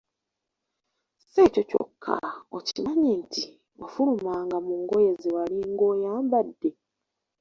Si ekyo kyokka, okimanyi nti, “ wafulumanga” mu ngoye zewalinga oyambadde ?